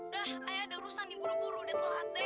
dah ayah udah urusan nih buru buru udah telat deh